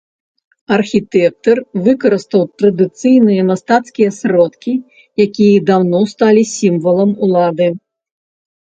Архітэктар выкарыстаў традыцыйныя мастацкія сродкі, якія даўно сталі сімвалам улады.